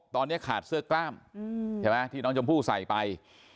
ตอนนี้ขาดเสื้อกล้ามใช่ไหมที่น้องชมพู่ใส่ไป